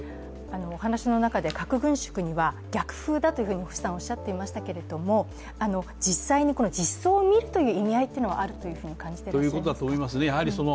お話の中で核軍縮には逆風だとおっしゃっていましたけど実際に実相を見るという意味合いはあるというふうに感じていらっしゃいますか？